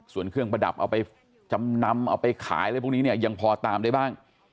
ส่วนเครื่องประดับเอาไปจำนำเอาไปขายอะไรพวกนี้เนี่ยยังพอตามได้บ้าง